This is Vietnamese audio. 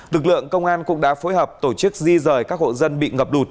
lực lượng công an cũng đã phối hợp tổ chức di rời các hộ dân bị ngập lụt